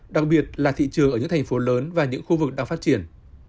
đặc biệt là thị trường ở những thành phố lớn và những khu vực đang phát triển